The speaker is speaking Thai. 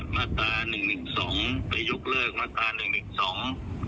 ปฎาญกรุงได้สามารถเรียนต้นหนึ่งหนึ่งสอง